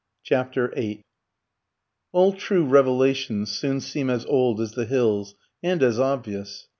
CHAPTER VIII All true revelations soon seem as old as the hills and as obvious.